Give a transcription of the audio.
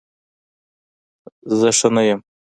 زه ښه نه یم